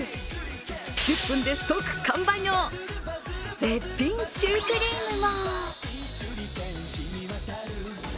１０分で即完売の絶品シュークリームも。